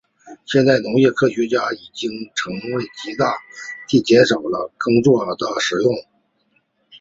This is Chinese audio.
现代农业科学已经极大地减少了耕作的使用。